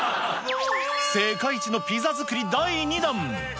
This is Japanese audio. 世界一のピザ作り第２弾。